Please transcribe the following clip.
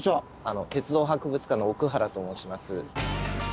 鉄道博物館の奥原と申します。